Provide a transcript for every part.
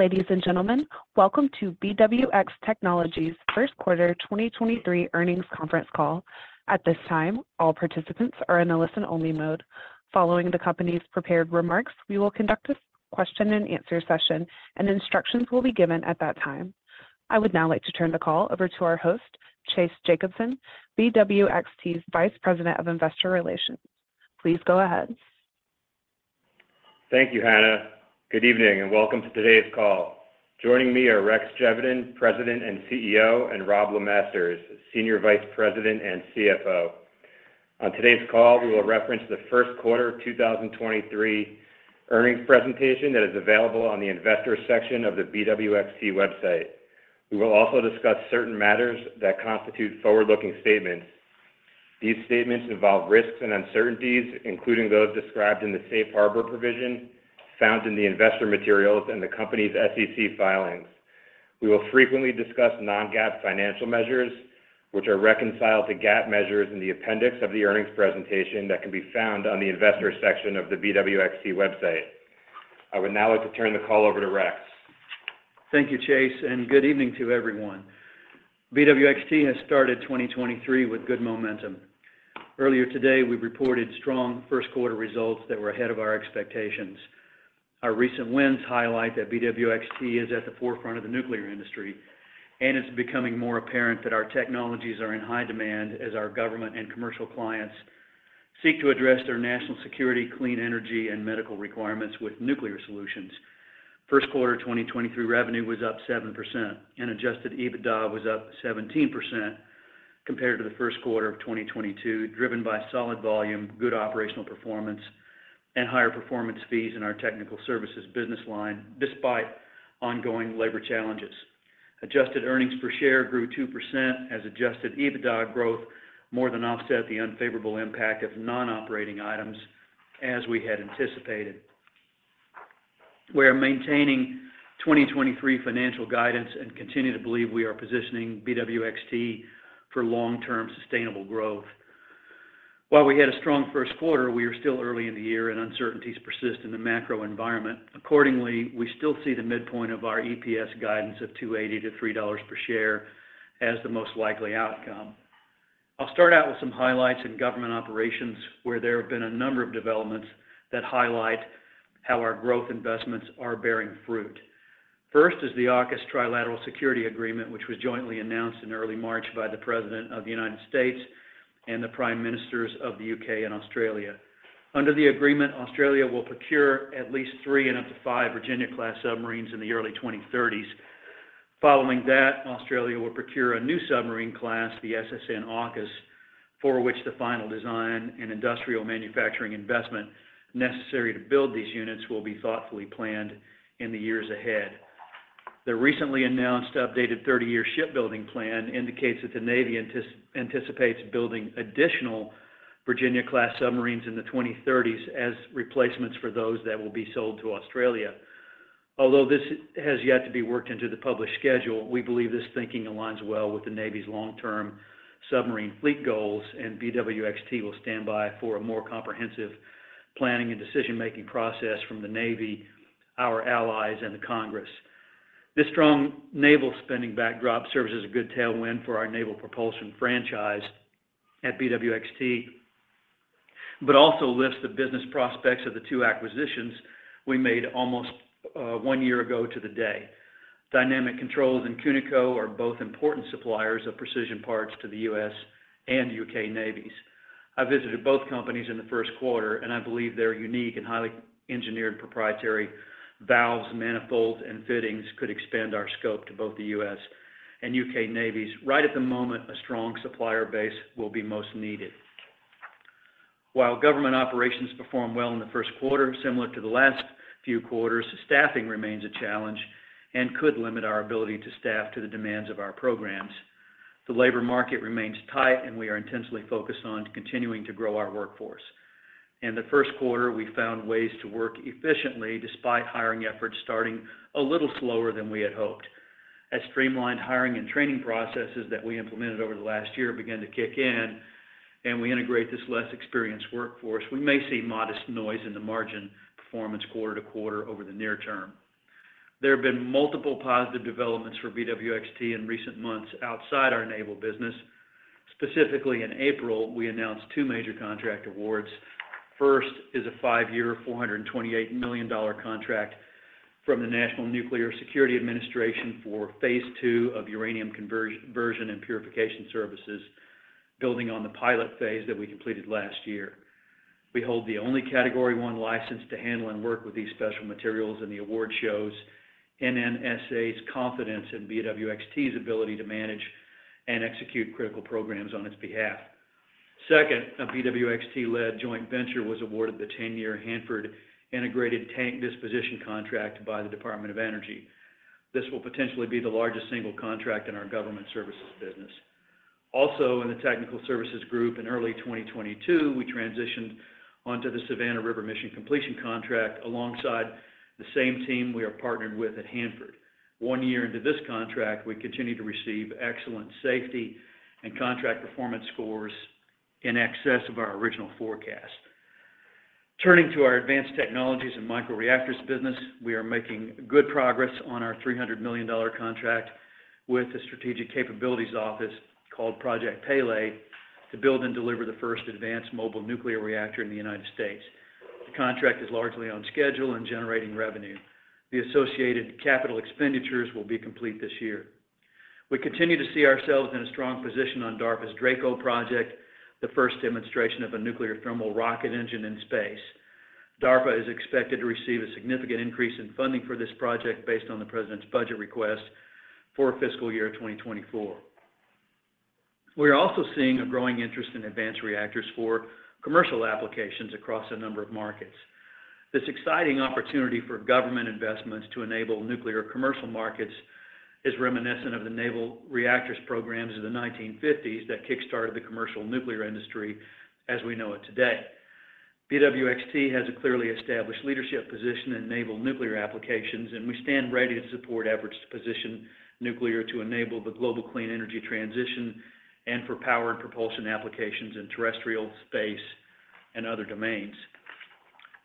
Ladies and gentlemen, welcome to BWX Technologies' Q1 2023 earnings conference call. At this time, all participants are in a listen-only mode. Following the company's prepared remarks, we will conduct a question and answer session, and instructions will be given at that time. I would now like to turn the call over to our host, Chase Jacobson, BWXT's Vice President of Investor Relations. Please go ahead. Thank you, Hannah. Good evening, and welcome to today's call. Joining me are Rex Geveden, President and CEO, and Robb LeMasters, Senior Vice President and CFO. On today's call, we will reference the Q1 of 2023 earnings presentation that is available on the investor section of the BWXT website. We will also discuss certain matters that constitute forward-looking statements. These statements involve risks and uncertainties, including those described in the safe harbor provision found in the investor materials and the company's SEC filings. We will frequently discuss non-GAAP financial measures, which are reconciled to GAAP measures in the appendix of the earnings presentation that can be found on the investor section of the BWXT website. I would now like to turn the call over to Rex. Thank you, Chase, and good evening to everyone. BWXT has started 2023 with good momentum. Earlier today, we reported strong Q1 results that were ahead of our expectations. Our recent wins highlight that BWXT is at the forefront of the nuclear industry, and it's becoming more apparent that our technologies are in high demand as our government and commercial clients seek to address their national security, clean energy, and medical requirements with nuclear solutions. Q12023 revenue was up 7% and adjusted EBITDA was up 17% compared to the Q1 of 2022, driven by solid volume, good operational performance, and higher performance fees in our technical services business line, despite ongoing labor challenges. Adjusted earnings per share grew 2% as adjusted EBITDA growth more than offset the unfavorable impact of non-operating items as we had anticipated. We are maintaining 2023 financial guidance and continue to believe we are positioning BWXT for long-term sustainable growth. While we had a strong Q1, we are still early in the year and uncertainties persist in the macro environment. Accordingly, we still see the midpoint of our EPS guidance of $2.80-$3.00 per share as the most likely outcome. I'll start out with some highlights in government operations, where there have been a number of developments that highlight how our growth investments are bearing fruit. First is the AUKUS Trilateral Security Agreement, which was jointly announced in early March by the President of the United States and the Prime Ministers of the U.K. and Australia. Under the agreement, Australia will procure at least 3 and up to 5 Virginia-class submarines in the early 2030s. Following that, Australia will procure a new submarine class, the SSN-AUKUS, for which the final design and industrial manufacturing investment necessary to build these units will be thoughtfully planned in the years ahead. The recently announced updated 30-year shipbuilding plan indicates that the Navy anticipates building additional Virginia-class submarines in the 2030s as replacements for those that will be sold to Australia. Although this has yet to be worked into the published schedule, we believe this thinking aligns well with the Navy's long-term submarine fleet goals, and BWXT will stand by for a more comprehensive planning and decision-making process from the Navy, our allies, and the Congress. This strong naval spending backdrop serves as a good tailwind for our naval propulsion franchise at BWXT, but also lifts the business prospects of the two acquisitions we made almost 1 year ago to the day. Dynamic Controls and Cunico are both important suppliers of precision parts to the U.S. and U.K. Navies. I visited both companies in the Q1. I believe their unique and highly engineered proprietary valves, manifolds, and fittings could expand our scope to both the U.S. and U.K. Navies right at the moment a strong supplier base will be most needed. While government operations performed well in the Q1, similar to the last few quarters, staffing remains a challenge and could limit our ability to staff to the demands of our programs. The labor market remains tight. We are intensely focused on continuing to grow our workforce. In the Q1, we found ways to work efficiently despite hiring efforts starting a little slower than we had hoped. As streamlined hiring and training processes that we implemented over the last begin to kick in, and we integrate this less experienced workforce, we may see modest noise in the margin performance quarter to quarter over the near term. There have been multiple positive developments for BWXT in recent months outside our naval business. Specifically, in April, we announced two major contract awards. First is a 5-year, $428 million contract from the National Nuclear Security Administration for Phase II of uranium conversion and purification services, building on the pilot phase that we completed last year. We hold the only Category I license to handle and work with these special materials, and the award shows NNSA's confidence in BWXT's ability to manage and execute critical programs on its behalf. A BWXT-led joint venture was awarded the 10-year Hanford Integrated Tank Disposition contract by the Department of Energy. This will potentially be the largest single contract in our government services business. In the technical services group in early 2022, we transitioned onto the Savannah River Mission Completion contract alongside the same team we are partnered with at Hanford. 1 year into this contract, we continue to receive excellent safety and contract performance scores in excess of our original forecast. We are making good progress on our $300 million contract with the Strategic Capabilities Office called Project Pele to build and deliver the first advanced mobile nuclear reactor in the U.S. The contract is largely on schedule and generating revenue. The associated capital expenditures will be complete this year. We continue to see ourselves in a strong position on DARPA's DRACO project, the first demonstration of a nuclear thermal rocket engine in space. DARPA is expected to receive a significant increase in funding for this project based on the president's budget request for fiscal year 2024. We're also seeing a growing interest in advanced reactors for commercial applications across a number of markets. This exciting opportunity for government investments to enable nuclear commercial markets is reminiscent of the Naval Reactors Program of the 1950s that kickstarted the commercial nuclear industry as we know it today. BWXT has a clearly established leadership position in naval nuclear applications, and we stand ready to support efforts to position nuclear to enable the global clean energy transition and for power and propulsion applications in terrestrial, space, and other domains.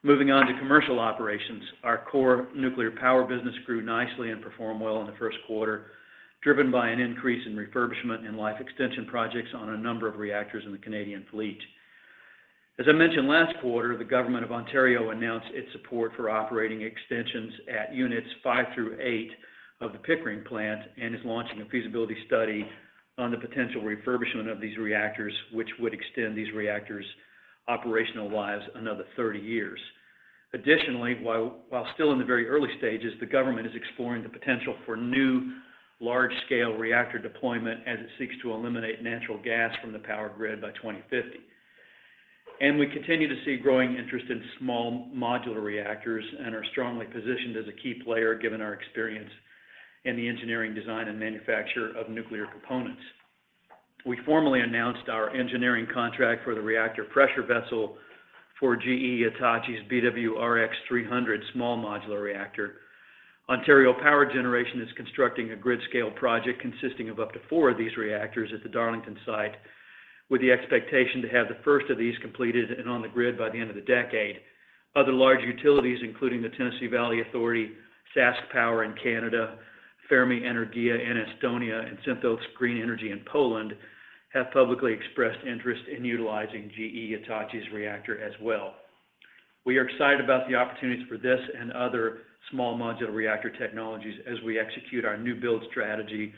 Moving on to commercial operations. Our core nuclear power business grew nicely and performed well in the Q1, driven by an increase in refurbishment and life extension projects on a number of reactors in the Canadian fleet. As I mentioned last quarter, the government of Ontario announced its support for operating extensions at units five through eight of the Pickering plant, and is launching a feasibility study on the potential refurbishment of these reactors, which would extend these reactors' operational lives another 30 years. Additionally, while still in the very early stages, the government is exploring the potential for new large-scale reactor deployment as it seeks to eliminate natural gas from the power grid by 2050. We continue to see growing interest in small modular reactors and are strongly positioned as a key player given our experience in the engineering design and manufacture of nuclear components. We formally announced our engineering contract for the reactor pressure vessel for GE Hitachi's BWRX-300 small modular reactor. Ontario Power Generation is constructing a grid scale project consisting of up to 4 of these reactors at the Darlington site, with the expectation to have the 1st of these completed and on the grid by the end of the decade. Other large utilities, including the Tennessee Valley Authority, SaskPower in Canada, Fermi Energia in Estonia, and Synthos Green Energy in Poland, have publicly expressed interest in utilizing GE Hitachi's reactor as well. We are excited about the opportunities for this and other small modular reactor technologies as we execute our new build strategy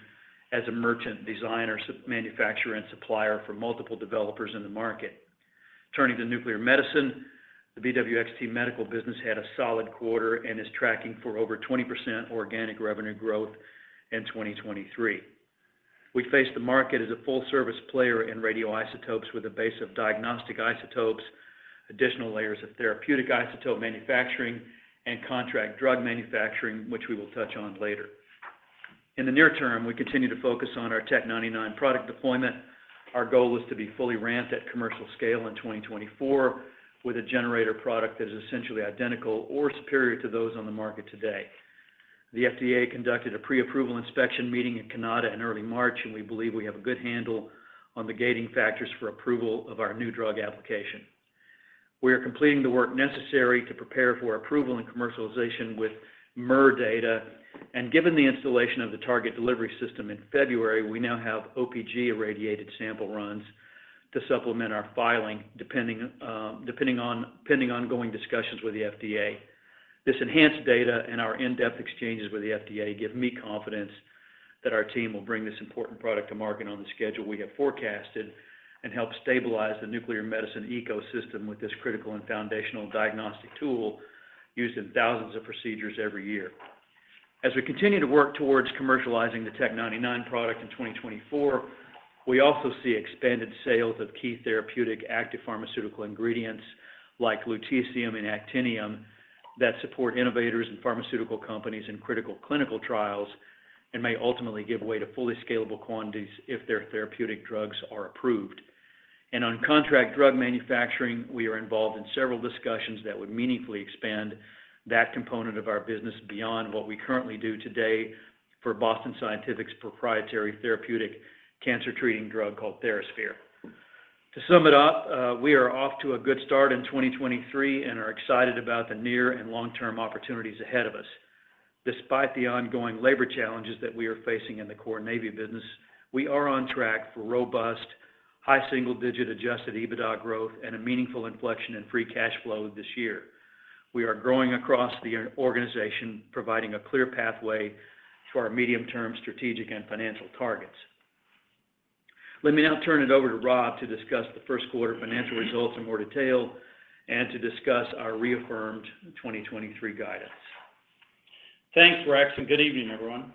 as a merchant designer, manufacturer and supplier for multiple developers in the market. Turning to nuclear medicine, the BWXT Medical business had a solid quarter and is tracking for over 20% organic revenue growth in 2023. We face the market as a full service player in radioisotopes with a base of diagnostic isotopes, additional layers of therapeutic isotope manufacturing, and contract drug manufacturing, which we will touch on later. In the near term, we continue to focus on our Tech 99 product deployment. Our goal is to be fully ramped at commercial scale in 2024 with a generator product that is essentially identical or superior to those on the market today. The FDA conducted a pre-approval inspection meeting in Canada in early March, we believe we have a good handle on the gating factors for approval of our new drug application. We are completing the work necessary to prepare for approval and commercialization with MUR data. Given the installation of the target delivery system in February, we now have OPG irradiated sample runs to supplement our filing pending ongoing discussions with the FDA. This enhanced data and our in-depth exchanges with the FDA give me confidence that our team will bring this important product to market on the schedule we have forecasted and help stabilize the nuclear medicine ecosystem with this critical and foundational diagnostic tool used in thousands of procedures every year. As we continue to work towards commercializing the Tech 99 product in 2024, we also see expanded sales of key therapeutic active pharmaceutical ingredients like lutetium and actinium that support innovators and pharmaceutical companies in critical clinical trials and may ultimately give way to fully scalable quantities if their therapeutic drugs are approved. On contract drug manufacturing, we are involved in several discussions that would meaningfully expand that component of our business beyond what we currently do today for Boston Scientific's proprietary therapeutic cancer treating drug called TheraSphere. To sum it up, we are off to a good start in 2023 and are excited about the near and long-term opportunities ahead of us. Despite the ongoing labor challenges that we are facing in the core Navy business, we are on track for robust high single-digit adjusted EBITDA growth and a meaningful inflection in free cash flow this year. We are growing across the organization, providing a clear pathway to our medium-term strategic and financial targets. Let me now turn it over to Robb to discuss the Q1 financial results in more detail and to discuss our reaffirmed 2023 guidance. Thanks, Rex. Good evening, everyone.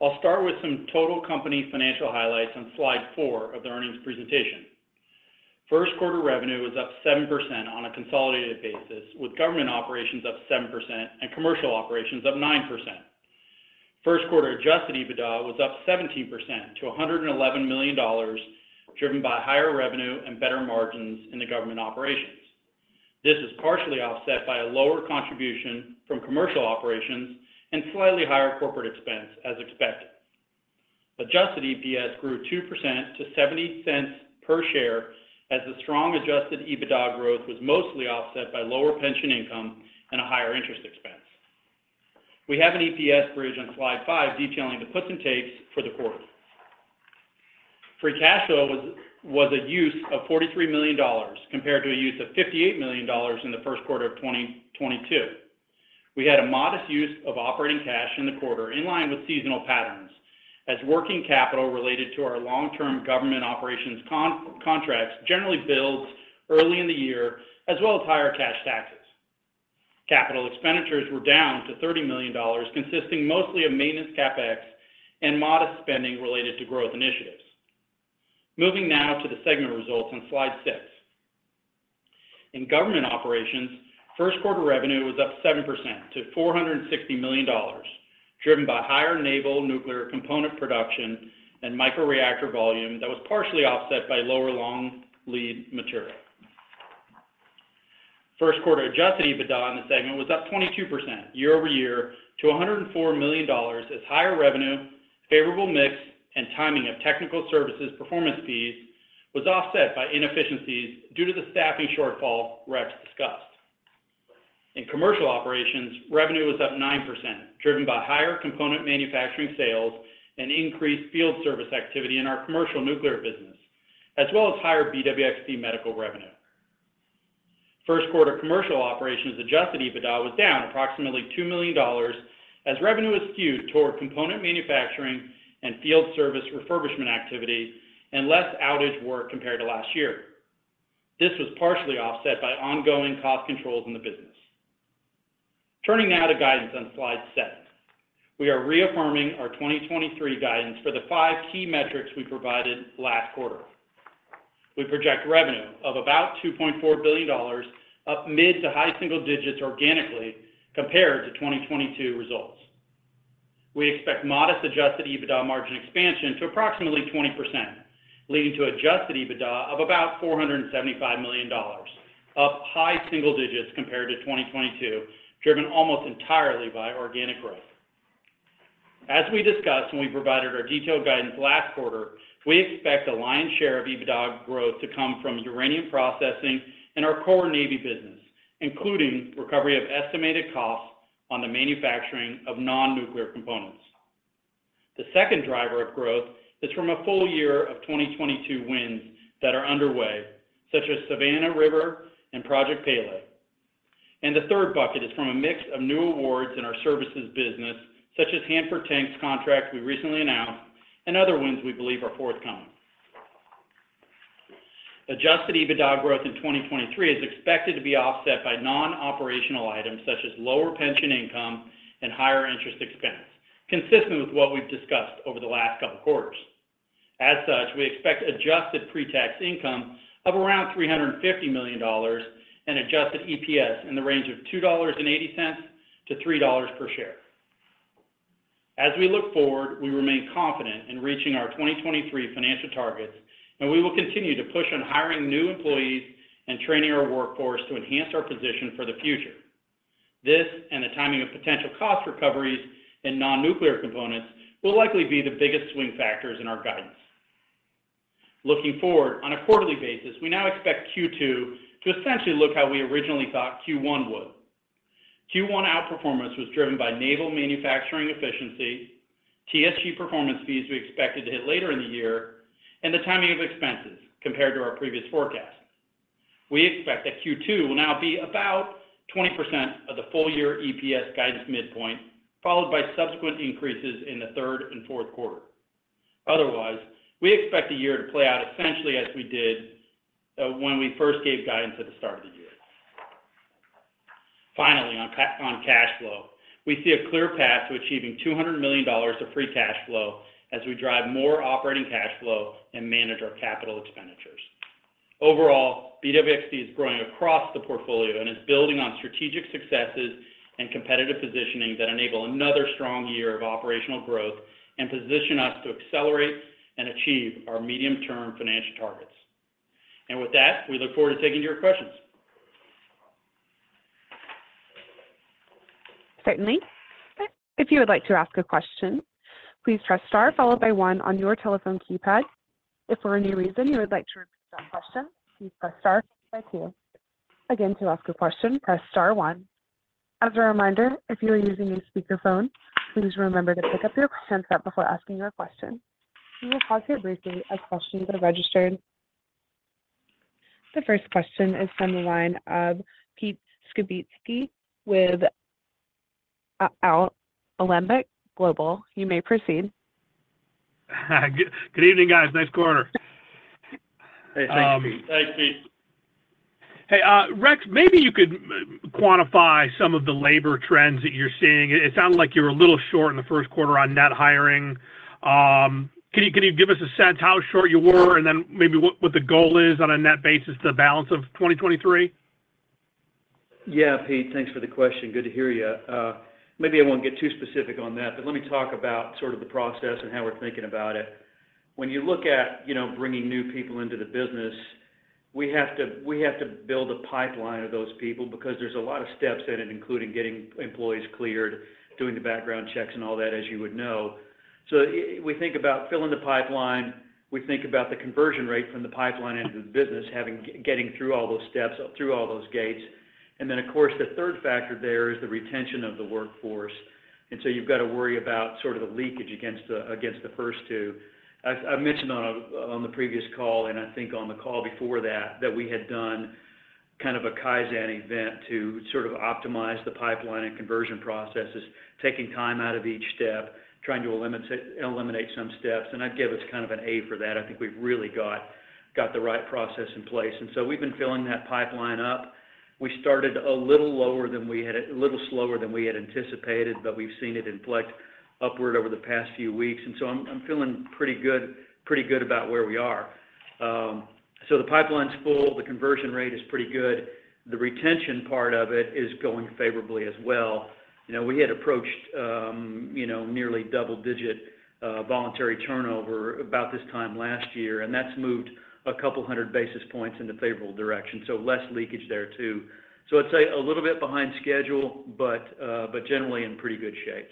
I'll start with some total company financial highlights on slide four of the earnings presentation.Q1 revenue was up 7% on a consolidated basis, with government operations up 7% and commercial operations up 9%. Q1adjusted EBITDA was up 17% to $111 million, driven by higher revenue and better margins in the government operations. This is partially offset by a lower contribution from commercial operations and slightly higher corporate expense as expected. Adjusted EPS grew 2% to $0.70 per share as the strong adjusted EBITDA growth was mostly offset by lower pension income and a higher interest expense. We have an EPS bridge on slide five detailing the puts and takes for the quarter. Free cash flow was a use of $43 million compared to a use of $58 million in th Q1 of 2022. We had a modest use of operating cash in the quarter in line with seasonal patterns as working capital related to our long-term government operations contracts generally builds early in the year as well as higher cash taxes. Capital expenditures were down to $30 million, consisting mostly of maintenance CapEx and modest spending related to growth initiatives. Moving now to the segment results on slide 6. In government operations, Q1 revenue was up 7% to $460 million, driven by higher naval nuclear component production and microreactor volume that was partially offset by lower long lead material. Q1 adjusted EBITDA on the segment was up 22% year-over-year to $104 million as higher revenue, favorable mix, and timing of technical services performance fees was offset by inefficiencies due to the staffing shortfall Rex discussed. In commercial operations, revenue was up 9%, driven by higher component manufacturing sales and increased field service activity in our commercial nuclear business, as well as higher BWXT Medical revenue. Q1 commercial operations adjusted EBITDA was down approximately $2 million as revenue was skewed toward component manufacturing and field service refurbishment activity and less outage work compared to last year. This was partially offset by ongoing cost controls in the business. Turning now to guidance on slide 7. We are reaffirming our 2023 guidance for the 5 key metrics we provided last quarter. We project revenue of about $2.4 billion, up mid to high single digits organically compared to 2022 results. We expect modest adjusted EBITDA margin expansion to approximately 20%, leading to adjusted EBITDA of about $475 million, up high single digits compared to 2022, driven almost entirely by organic growth. As we discussed when we provided our detailed guidance last quarter, we expect the lion's share of EBITDA growth to come from uranium processing and our core Navy business, including recovery of estimated costs on the manufacturing of non-nuclear components. The second driver of growth is from a full year of 2022 wins that are underway, such as Savannah River and Project Pele. The third bucket is from a mix of new awards in our services business, such as Hanford Tanks contract we recently announced and other wins we believe are forthcoming. Adjusted EBITDA growth in 2023 is expected to be offset by non-operational items such as lower pension income and higher interest expense, consistent with what we've discussed over the last couple quarters. We expect adjusted pre-tax income of around $350 million and adjusted EPS in the range of $2.80 to $3 per share. We look forward, we remain confident in reaching our 2023 financial targets, and we will continue to push on hiring new employees and training our workforce to enhance our position for the future. This and the timing of potential cost recoveries in non-nuclear components will likely be the biggest swing factors in our guidance. Looking forward, on a quarterly basis, we now expect Q2 to essentially look how we originally thought Q1 would. Q1 outperformance was driven by naval manufacturing efficiency, TSG performance fees we expected to hit later in the year, and the timing of expenses compared to our previous forecast. We expect that Q2 will now be about 20% of the full year EPS guidance midpoint, followed by subsequent increases in the third and Q4. Otherwise, we expect the year to play out essentially as we did when we first gave guidance at the start of the year. Finally, on cash flow, we see a clear path to achieving $200 million of free cash flow as we drive more operating cash flow and manage our capital expenditures. Overall, BWXT is growing across the portfolio and is building on strategic successes and competitive positioning that enable another strong year of operational growth and position us to accelerate and achieve our medium-term financial targets. With that, we look forward to taking your questions. Certainly. If you would like to ask a question, please press star followed by one on your telephone keypad. If for any reason you would like to repeat that question, please press star then two. To ask a question, press star one. As a reminder, if you are using a speakerphone, please remember to pick up your handset before asking your question. We will pause here briefly as questions are registered. The first question is from the line of Pete Skibitski with Alembic Global. You may proceed. Good evening, guys. Nice quarter. Hey, thank you, Pete. Um. Hey, Pete. Hey, Rex, maybe you could quantify some of the labor trends that you're seeing. It sounded like you were a little short in the Q1 on net hiring. Can you give us a sense how short you were and then maybe what the goal is on a net basis to the balance of 2023? Yeah, Pete, thanks for the question. Good to hear you. Maybe I won't get too specific on that, but let me talk about sort of the process and how we're thinking about it. When you look at, you know, bringing new people into the business, we have to build a pipeline of those people because there's a lot of steps in it, including getting employees cleared, doing the background checks and all that, as you would know. We think about filling the pipeline, we think about the conversion rate from the pipeline into the business, getting through all those steps, through all those gates. Then of course, the third factor there is the retention of the workforce. So you've got to worry about sort of the leakage against the first two. I mentioned on the previous call, and I think on the call before that we had done kind of a Kaizen event to sort of optimize the pipeline and conversion processes, taking time out of each step, trying to eliminate some steps. I'd give us kind of an A for that. I think we've really got the right process in place. We've been filling that pipeline up. We started a little lower than we had a little slower than we had anticipated, but we've seen it inflect upward over the past few weeks. I'm feeling pretty good about where we are. The pipeline's full, the conversion rate is pretty good. The retention part of it is going favorably as well. You know, we had approached, you know, nearly double-digit, voluntary turnover about this time last year, and that's moved a couple hundred basis points in the favorable direction, so less leakage there too. I'd say a little bit behind schedule, but generally in pretty good shape.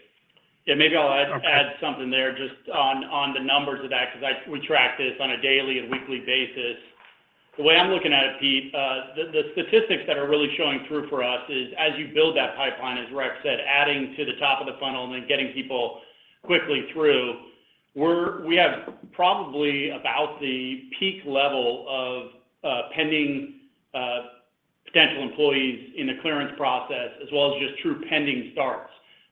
Yeah, maybe I'll add something there just on the numbers of that, because we track this on a daily and weekly basis. The way I'm looking at it, Pete, the statistics that are really showing through for us is as you build that pipeline, as Rex said, adding to the top of the funnel and then getting people quickly through, we have probably about the peak level of pending potential employees in the clearance process as well as just true pending starts.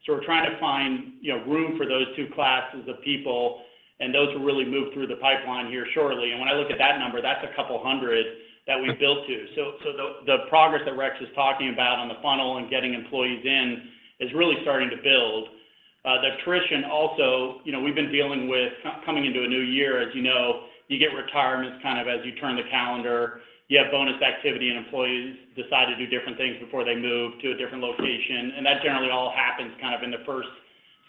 We're trying to find, you know, room for those two classes of people and those who really move through the pipeline here shortly. When I look at that number, that's a couple hundred that we build to. The progress that Rex is talking about on the funnel and getting employees in is really starting to build. The attrition also, you know, we've been dealing with coming into a new year. As you know, you get retirements kind of as you turn the calendar. You have bonus activity and employees decide to do different things before they move to a different location. That generally all happens kind of in the first,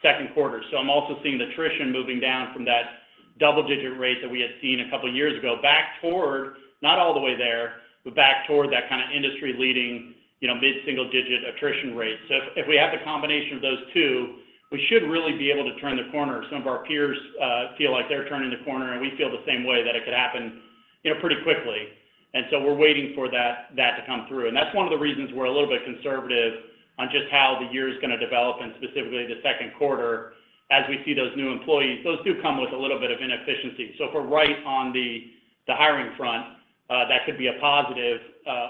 Q2. I'm also seeing the attrition moving down from that double-digit rate that we had seen a couple of years ago back toward, not all the way there, but back toward that kind of industry-leading, you know, mid-single-digit attrition rate. If we have the combination of those two, we should really be able to turn the corner. Some of our peers feel like they're turning the corner and we feel the same way that it could happen, you know, pretty quickly. We're waiting for that to come through. That's one of the reasons we're a little bit conservative on just how the year is gonna develop and specifically the Q2 as we see those new employees. Those do come with a little bit of inefficiency. If we're right on the hiring front, that could be a positive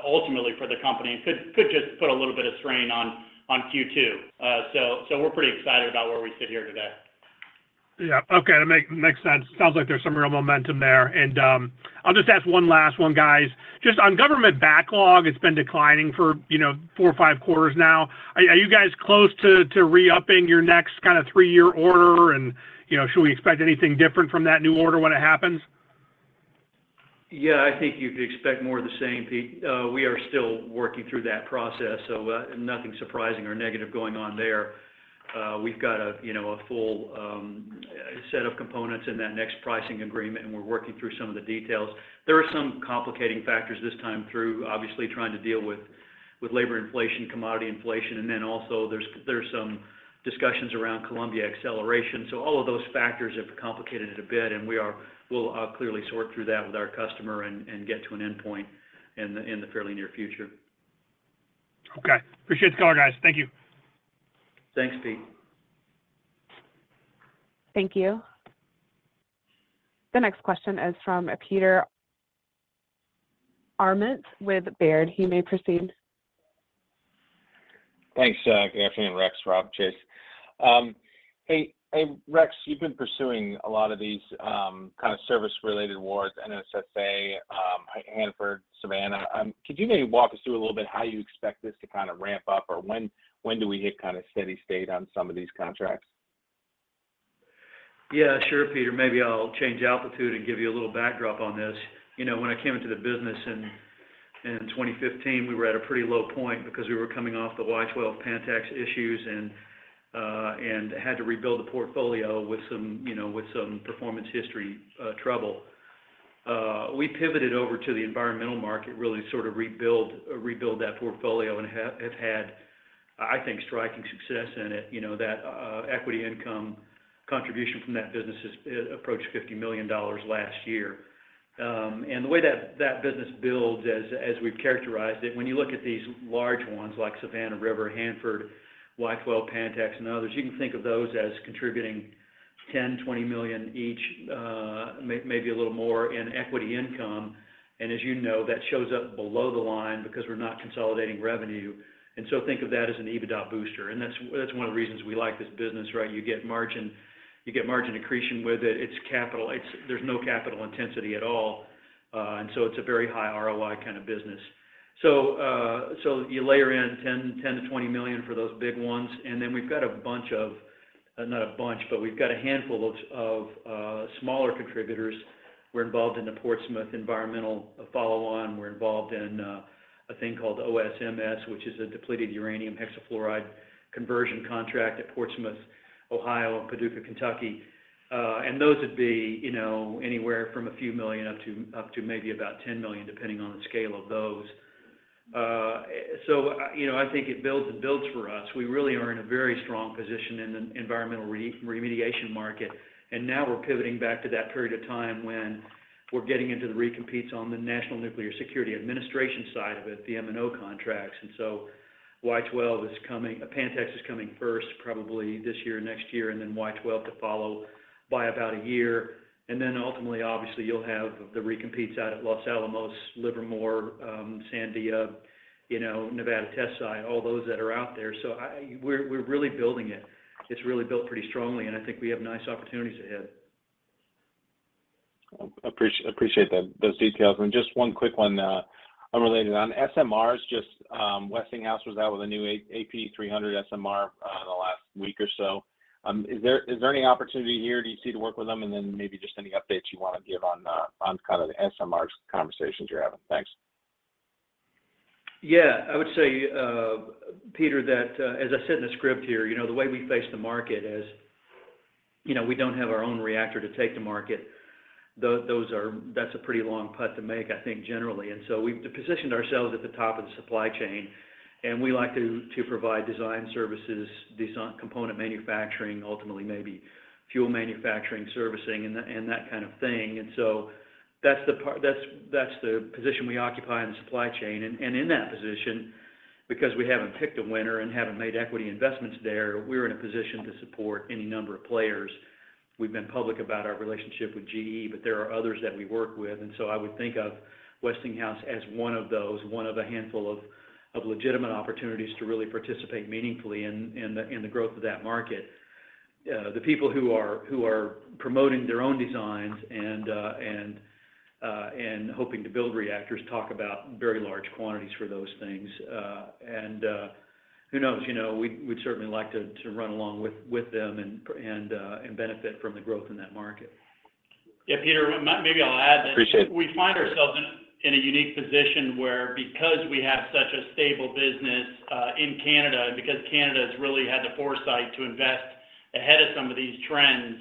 ultimately for the company and could just put a little bit of strain on Q2. We're pretty excited about where we sit here today. That makes sense. Sounds like there's some real momentum there. I'll just ask one last one, guys. Just on government backlog, it's been declining for, you know, four or Q5 now. Are you guys close to re-upping your next kind of three-year order? You know, should we expect anything different from that new order when it happens? Yeah, I think you could expect more of the same, Pete. We are still working through that process. Nothing surprising or negative going on there. We've got a, you know, a full, a set of components in that next pricing agreement. We're working through some of the details. There are some complicating factors this time through, obviously trying to deal with labor inflation, commodity inflation. Also there's some discussions around Columbia acceleration. All of those factors have complicated it a bit. We'll clearly sort through that with our customer and get to an endpoint in the fairly near future. Okay. Appreciate the call, guys. Thank you. Thanks, Pete. Thank you. The next question is from Peter Arment with Baird. He may proceed. Thanks. Good afternoon, Rex, Robb, Chase. Hey Rex, you've been pursuing a lot of these, kind of service related awards, NNSA, Hanford, Savannah. Could you maybe walk us through a little bit how you expect this to kind of ramp up or when do we hit kind of steady state on some of these contracts? Yeah, sure, Peter. Maybe I'll change altitude and give you a little backdrop on this. You know, when I came into the business in 2015, we were at a pretty low point because we were coming off the Y-12 Pantex issues and had to rebuild the portfolio with some, you know, with some performance history trouble. We pivoted over to the environmental market, really sort of rebuild that portfolio and have had, I think, striking success in it. You know, that equity income contribution from that business has approached $50 million last year. The way that business builds as we've characterized it, when you look at these large ones like Savannah River, Hanford, Y-12, Pantex, and others, you can think of those as contributing $10 million-$20 million each, maybe a little more in equity income. As you know, that shows up below the line because we're not consolidating revenue. Think of that as an EBITDA booster. That's one of the reasons we like this business, right? You get margin accretion with it. It's capital. There's no capital intensity at all. It's a very high ROI kind of business. You layer in $10 million-$20 million for those big ones. Then we've got a bunch of, not a bunch, but we've got a handful of smaller contributors. We're involved in the Portsmouth environmental follow-on. We're involved in a thing called OSMS, which is a depleted uranium hexafluoride conversion contract at Portsmouth, Ohio, and Paducah, Kentucky. Those would be, you know, anywhere from a few million up to maybe about $10 million, depending on the scale of those. You know, I think it builds and builds for us. We really are in a very strong position in the environmental remediation market. Now we're pivoting back to that period of time when we're getting into the recompetes on the National Nuclear Security Administration side of it, the M&O contracts. Y-12 is coming. Pantex is coming first, probably this year or next year. Y-12 to follow by about a year. Ultimately, obviously, you'll have the recompetes out at Los Alamos, Livermore, Sandia, you know, Nevada Test Site, all those that are out there. We're really building it. It's really built pretty strongly, and I think we have nice opportunities ahead. Appreciate that, those details. Just one quick one, unrelated. On SMRs, just, Westinghouse was out with a new AP300 SMR in the last week or so. Is there any opportunity here do you see to work with them? Then maybe just any updates you want to give on kind of the SMR conversations you're having. Thanks. Yeah. I would say, Peter, that as I said in the script here, you know, the way we face the market is, you know, we don't have our own reactor to take to market. That's a pretty long putt to make, I think, generally. We've positioned ourselves at the top of the supply chain, and we like to provide design services, design component manufacturing, ultimately maybe fuel manufacturing servicing, and that kind of thing. That's the position we occupy in the supply chain. In that position, because we haven't picked a winner and haven't made equity investments there, we're in a position to support any number of players. We've been public about our relationship with GE, there are others that we work with. I would think of Westinghouse as one of those, one of a handful of legitimate opportunities to really participate meaningfully in the growth of that market. The people who are promoting their own designs and hoping to build reactors talk about very large quantities for those things. Who knows? You know, we'd certainly like to run along with them and benefit from the growth in that market. Yeah, Peter, maybe I'll add that... Appreciate it.... we find ourselves in a unique position where because we have such a stable business in Canada, and because Canada has really had the foresight to invest ahead of some of these trends,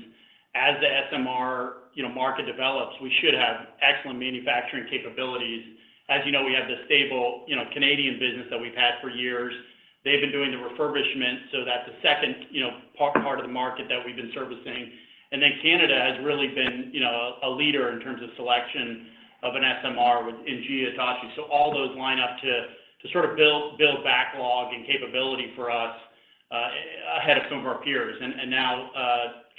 as the SMR, you know, market develops, we should have excellent manufacturing capabilities. As you know, we have the stable, you know, Canadian business that we've had for years. That's a second, you know, part of the market that we've been servicing. Canada has really been, you know, a leader in terms of selection of an SMR with GE Hitachi. All those line up to sort of build backlog and capability for us ahead of some of our peers. Now,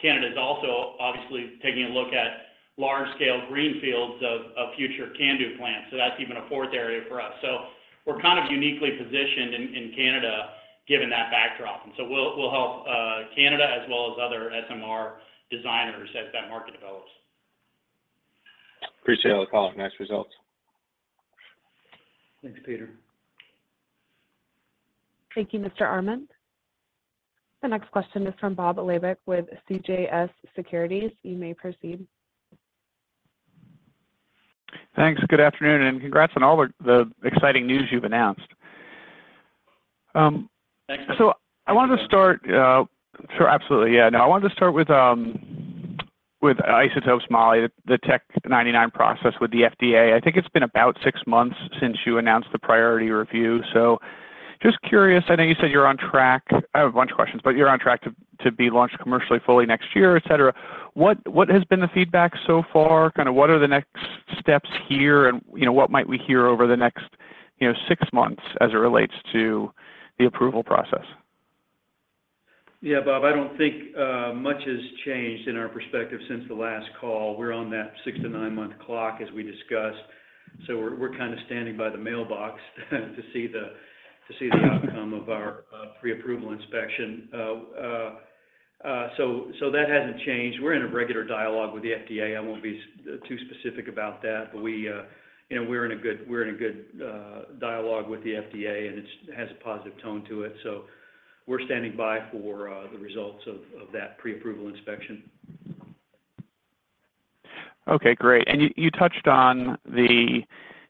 Canada is also obviously taking a look at large-scale greenfields of future CANDU plants. That's even a fourth area for us. We're kind of uniquely positioned in Canada given that backdrop. We'll help Canada as well as other SMR designers as that market develops. Appreciate all the color. Nice results. Thanks, Peter. Thank you, Mr. Arment. The next question is from Bob Labick with CJS Securities. You may proceed. Thanks. Good afternoon, congrats on all the exciting news you've announced. Thanks. I wanted to start. Sure, absolutely, yeah. I wanted to start with isotopes Mo-99, the Tech 99 process with the FDA. I think it's been about six months since you announced the priority review. Just curious, I know you said you're on track. I have a bunch of questions, you're on track to be launched commercially fully next year, et cetera. What has been the feedback so far? Kind of what are the next steps here? You know, what might we hear over the next, you know, six months as it relates to the approval process? Yeah, Bob, I don't think much has changed in our perspective since the last call. We're on that 6-9 month clock as we discussed. We're kind of standing by the mailbox to see the outcome of our pre-approval inspection. That hasn't changed. We're in a regular dialogue with the FDA. I won't be too specific about that, but we, you know, we're in a good dialogue with the FDA, and it has a positive tone to it. We're standing by for the results of that pre-approval inspection. Okay, great. You touched on the,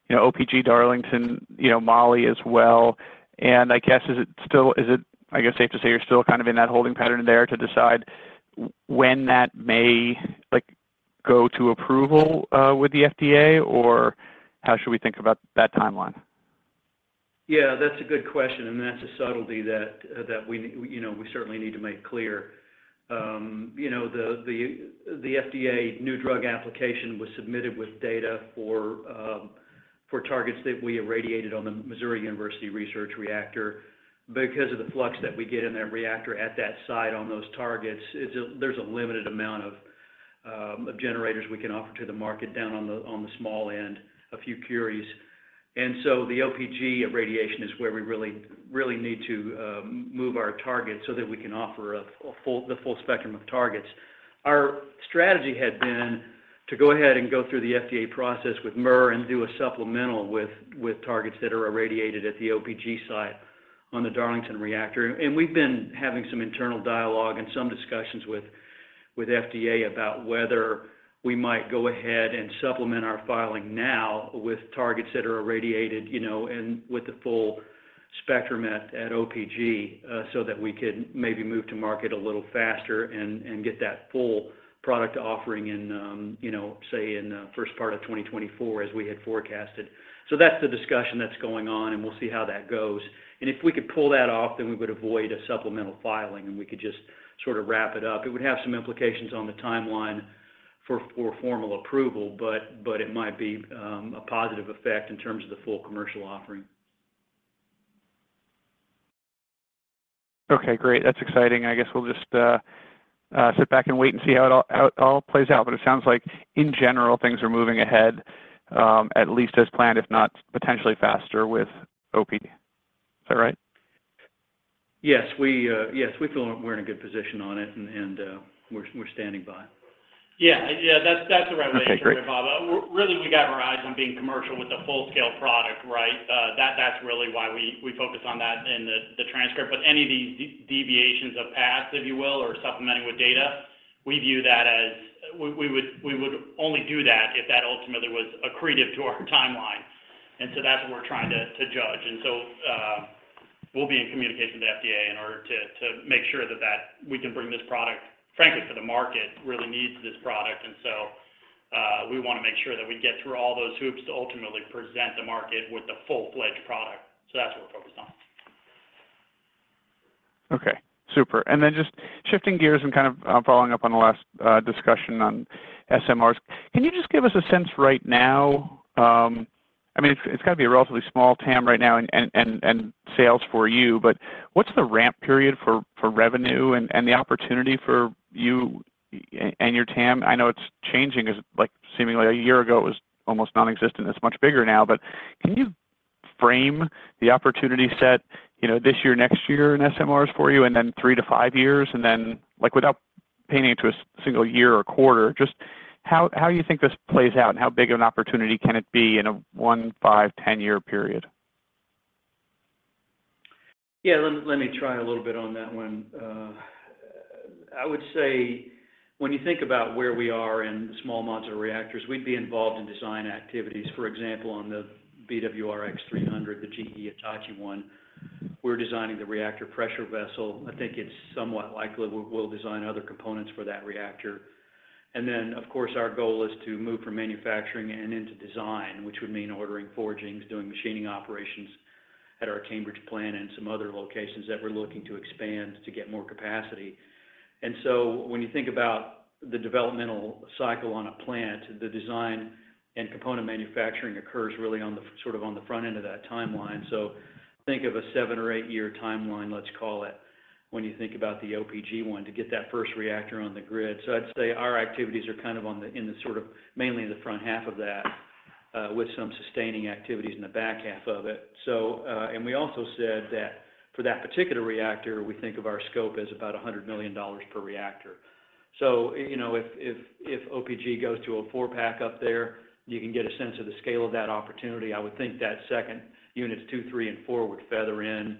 you know, OPG Darlington, you know, Molly as well. I guess, Is it, I guess, safe to say you're still kind of in that holding pattern there to decide when that may, like, go to approval with the FDA? Or how should we think about that timeline? Yeah, that's a good question, and that's a subtlety that we know, we certainly need to make clear. You know, the, the FDA new drug application was submitted with data for targets that we irradiated on the University of Missouri Research Reactor. Because of the flux that we get in that reactor at that site on those targets, it's a limited amount of generators we can offer to the market down on the, on the small end, a few curies. The OPG irradiation is where we really need to move our targets so that we can offer a full, the full spectrum of targets. Our strategy had been to go ahead and go through the FDA process with MUR and do a supplemental with targets that are irradiated at the OPG site on the Darlington reactor. We've been having some internal dialogue and some discussions with FDA about whether we might go ahead and supplement our filing now with targets that are irradiated, you know, and with the full spectrum at OPG so that we could maybe move to market a little faster and get that full product offering in, you know, say, in first part of 2024 as we had forecasted. That's the discussion that's going on, and we'll see how that goes. If we could pull that off, then we would avoid a supplemental filing, and we could just sort of wrap it up. It would have some implications on the timeline for formal approval, but it might be a positive effect in terms of the full commercial offering. Okay, great. That's exciting. I guess we'll just sit back and wait and see how it all plays out. It sounds like, in general, things are moving ahead, at least as planned, if not potentially faster with OPG. Is that right? Yes. We, yes, we feel we're in a good position on it and, we're standing by. Yeah. Yeah. That's, that's the right way to think of it. Okay, great. Really, we got our eyes on being commercial with a full-scale product, right? That's really why we focus on that in the transcript. Any of these deviations of paths, if you will, or supplementing with data, we view that as we would only do that if that ultimately was accretive to our timeline. That's what we're trying to judge. We'll be in communication with FDA in order to make sure that we can bring this product, frankly, to the market, really needs this product. We wanna make sure that we get through all those hoops to ultimately present the market with the full-fledged product. That's what we're focused on. Okay. Super. Just shifting gears and kind of following up on the last discussion on SMRs. Can you just give us a sense right now? I mean, it's gotta be a relatively small TAM right now and sales for you, but what's the ramp period for revenue and the opportunity for you and your TAM? I know it's changing as, like, seemingly a year ago it was almost nonexistent. It's much bigger now. Can you frame the opportunity set, you know, this year, next year in SMRs for you, and then 3-5 years? Like, without painting into a single year or quarter, just how you think this plays out and how big of an opportunity can it be in a 1, 5, 10-year period? Yeah. Let me try a little bit on that one. I would say when you think about where we are in small modular reactors, we'd be involved in design activities. For example, on the BWRX-300, the GE Hitachi one, we're designing the reactor pressure vessel. I think it's somewhat likely we'll design other components for that reactor. Of course, our goal is to move from manufacturing and into design, which would mean ordering forgings, doing machining operations at our Cambridge plant and some other locations that we're looking to expand to get more capacity. When you think about the developmental cycle on a plant, the design and component manufacturing occurs really on the sort of on the front end of that timeline. Think of a seven or eight-year timeline, let's call it, when you think about the OPG 1, to get that first reactor on the grid. I'd say our activities are kind of on the, in the sort of, mainly in the front half of that, with some sustaining activities in the back half of it. And we also said that for that particular reactor, we think of our scope as about $100 million per reactor. You know, if, if OPG goes to a 4-pack up there, you can get a sense of the scale of that opportunity. I would think that second units 2, 3, and 4 would feather in,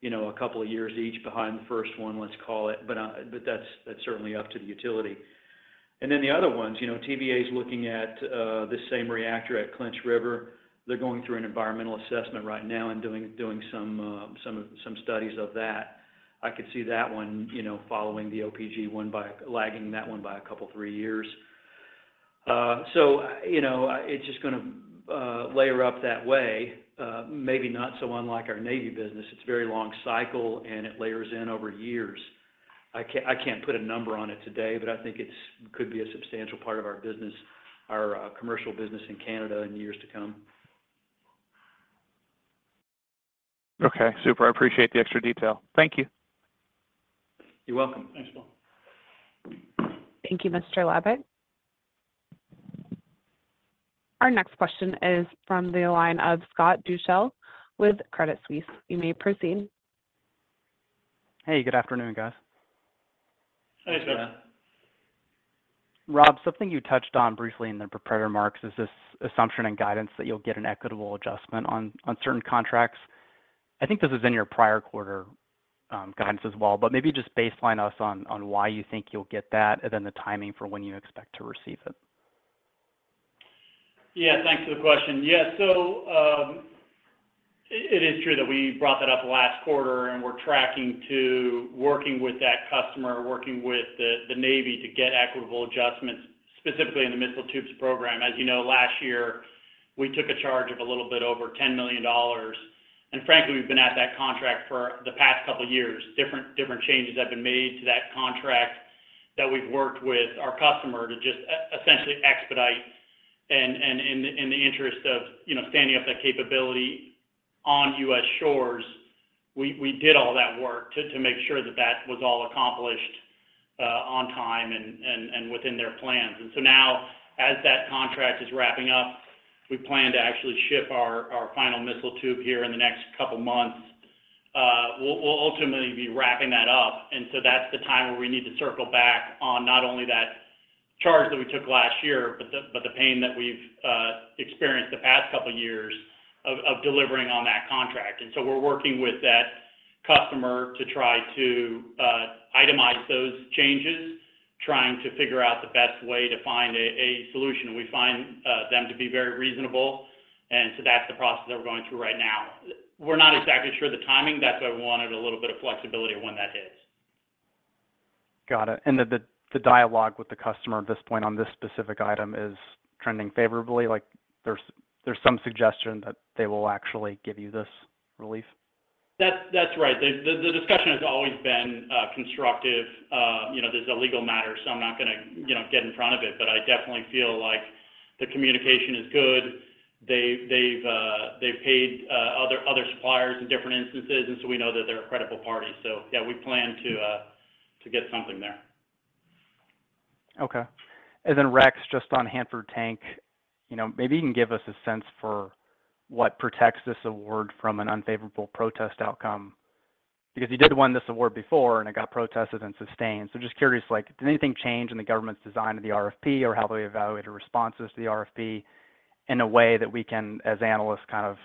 you know, a couple of years each behind the first one, let's call it. But that's certainly up to the utility. The other ones, you know, TVA's looking at the same reactor at Clinch River. They're going through an environmental assessment right now and doing some studies of that. I could see that one, you know, following the OPG one by lagging that one by a couple, 3 years. So, you know, it's just gonna layer up that way. Maybe not so unlike our Navy business. It's very long cycle, and it layers in over years. I can't put a number on it today, but I think it's could be a substantial part of our business, our commercial business in Canada in years to come. Okay, super. I appreciate the extra detail. Thank you. You're welcome. Thanks, Bob. Thank you, Mr. Labick. Our next question is from the line of Scott Deuschle with Credit Suisse. You may proceed. Hey, good afternoon, guys. Hey, Scott. Yeah. Rob, something you touched on briefly in the prepared remarks is this assumption and guidance that you'll get an equitable adjustment on certain contracts. I think this is in your prior quarter guidance as well, maybe just baseline us on why you think you'll get that, and then the timing for when you expect to receive it? Thanks for the question. It is true that we brought that up last quarter, and we're tracking to working with that customer, working with the Navy to get equitable adjustments, specifically in the missile tubes program. As you know, last year, we took a charge of a little bit over $10 million. Frankly, we've been at that contract for the past couple years. Different changes have been made to that contract that we've worked with our customer to just essentially expedite and in the interest of, you know, standing up that capability on U.S. shores, we did all that work to make sure that that was all accomplished on time and within their plans. Now as that contract is wrapping up, we plan to actually ship our final missile tube here in the next couple months. We'll ultimately be wrapping that up, that's the time where we need to circle back on not only that charge that we took last year, but the pain that we've experienced the past couple years of delivering on that contract. We're working with that customer to try to itemize those changes, trying to figure out the best way to find a solution. We find them to be very reasonable, that's the process that we're going through right now. We're not exactly sure of the timing. That's why we wanted a little bit of flexibility of when that hits. Got it. The dialogue with the customer at this point on this specific item is trending favorably? Like, there's some suggestion that they will actually give you this relief? That's right. The discussion has always been constructive. You know, this is a legal matter, so I'm not gonna, you know, get in front of it. I definitely feel like the communication is good. They've paid other suppliers in different instances, and so we know that they're a credible party. Yeah, we plan to get something there. Okay. Rex, just on Hanford Tank, you know, maybe you can give us a sense for what protects this award from an unfavorable protest outcome. You did win this award before and it got protested and sustained, just curious, like, did anything change in the government's design of the RFP or how they evaluated responses to the RFP in a way that we can, as analysts, kind of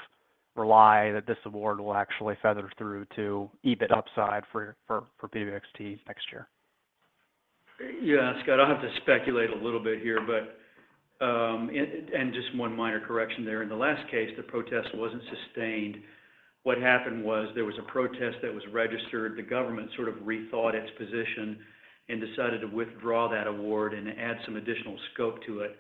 rely that this award will actually feather through to EBIT upside for BWXT next year? Yeah, Scott, I'll have to speculate a little bit here. Just one minor correction there. In the last case, the protest wasn't sustained. What happened was there was a protest that was registered. The government sort of rethought its position and decided to withdraw that award and add some additional scope to it.